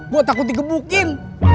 gue takut dikebukin